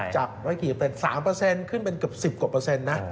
จากเมื่อกี้เป็น๓ขึ้นเป็นกับ๑๐กว่าเปอร์เซ็นต์นะ